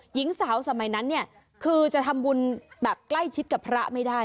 หญิงสาวสมัยนั้นเนี่ยคือจะทำบุญแบบใกล้ชิดกับพระไม่ได้